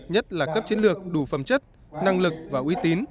nhất là cấp chiến lược đủ phẩm chất năng lực và uy tín